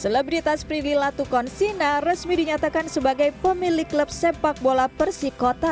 selebritas prilly latukon sina resmi dinyatakan sebagai pemilik klub sepak bola persikota